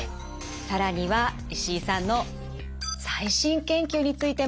更には石井さんの最新研究についても伺っていきます。